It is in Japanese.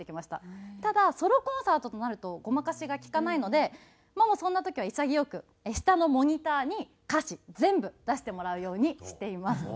ただソロコンサートとなるとごまかしが利かないのでもうそんな時は潔く下のモニターに歌詞全部出してもらうようにしています。